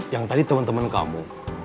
yang tadi temen temen kamu